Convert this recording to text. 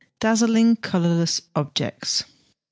DAZZLING COLOURLESS OBJECTS.